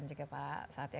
juga pak satya